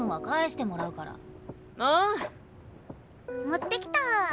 持ってきた。